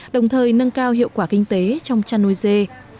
đồng thời nâng cao hiệu quả kinh tế trong chăn nuôi dê